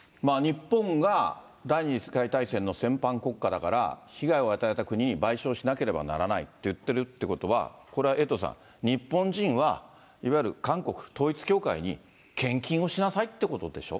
日本が第２次世界大戦の戦犯国家だから、被害を与えた国に賠償しなければならないって言ってるということは、これはエイトさん、日本人はいわゆる韓国、統一教会に献金をしなさいってことでしょ。